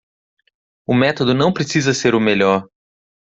O método não precisa ser o melhor.